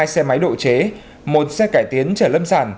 một mươi hai xe máy độ chế một xe cải tiến chở lâm sản